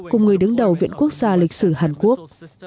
cùng người đứng đầu viện quốc gia lịch sử hàn quốc